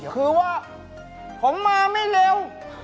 คือว่าผมมาไม่เร็ว